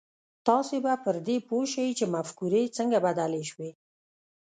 تاسې به پر دې پوه شئ چې مفکورې څنګه بدلې شوې.